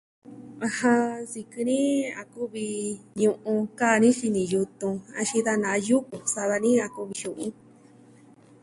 Ajan, nsikɨ ni a kuvi ñu'un, jia'ankaa dani xini yutun, axin da na'a yuku. Sa'a dani a kuvi xu'un.